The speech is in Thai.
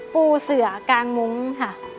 ปูเสือกางมุ้งค่ะ